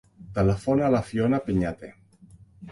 Telefona a la Fiona Peñate.